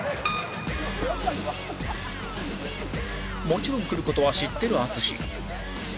もちろん来る事は知ってる淳